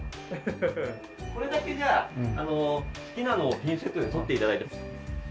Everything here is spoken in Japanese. これだけじゃあ好きなのをピンセットで取って頂いて。